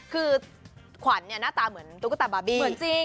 คือขวัญเนี่ยหน้าตาเหมือนตุ๊กตาบาร์บี้เหมือนจริง